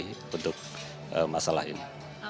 itu bentuk masalah ini